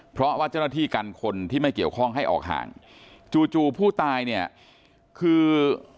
เพราะว่าเจ้าหน้าที่กันคนที่ไม่เกี่ยวข้องให้ออกห่างจู่จู่ผู้ตายเนี่ยคือ